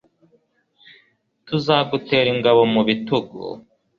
tuzagutera ingabo mu bitugu